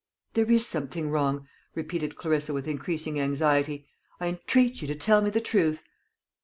"There is something wrong," repeated Clarissa with increasing anxiety. "I entreat you to tell me the truth!"